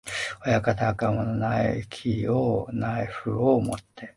親方がもうナフキンをかけて、ナイフをもって、